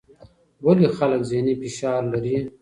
ولې خلک ذهني فشار لري؟